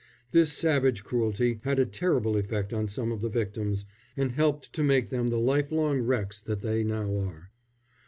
This savage cruelty had a terrible effect on some of the victims, and helped to make them the life long wrecks that they now are.